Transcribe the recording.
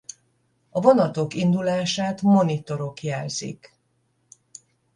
A vonatok indulását monitorok jelzik.